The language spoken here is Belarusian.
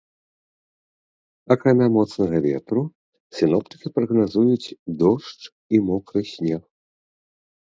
Акрамя моцнага ветру, сіноптыкі прагназуюць дождж і мокры снег.